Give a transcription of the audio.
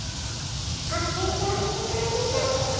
あっ寝ちゃう寝ちゃう寝ちゃう。